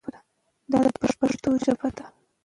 دا د پښتو ژبه ده.